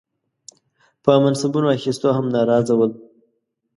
په منصبونو اخیستو هم ناراضه ول.